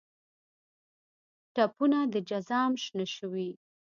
ټپونه د جزام شنه شوي